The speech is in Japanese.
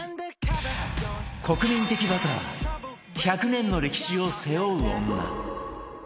国民的バター１００年の歴史を背負う女